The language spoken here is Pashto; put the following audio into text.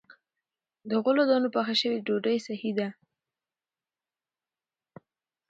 د غلو- دانو پخه شوې ډوډۍ صحي ده.